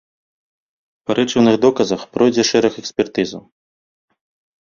Па рэчыўных доказах пройдзе шэраг экспертызаў.